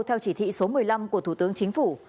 theo chỉ thị số một mươi năm của thủ tướng chính phủ